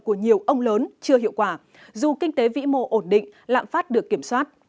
của nhiều ông lớn chưa hiệu quả dù kinh tế vĩ mô ổn định lạm phát được kiểm soát